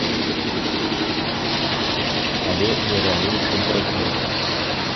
Але не раней чым праз год.